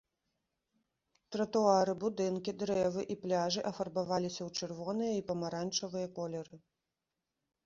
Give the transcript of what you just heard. Тратуары, будынкі, дрэвы і пляжы афарбаваліся ў чырвоныя і памаранчавыя колеры.